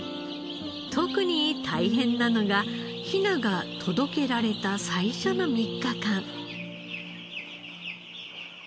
特に大変なのがヒナが届けられた最初の３日間。